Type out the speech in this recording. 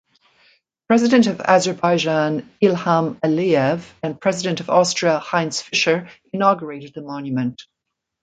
President of Azerbaijan Ilham Aliyev and president of Austria Heinz Fischer inaugurated the monument.